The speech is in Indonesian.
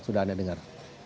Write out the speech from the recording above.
sudah anda dengar